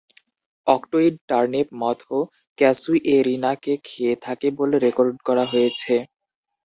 অক্টুইড turnip মথও "ক্যাসুয়েরিনা"কে খেয়ে থাকে বলে রেকর্ড করা হয়েছে।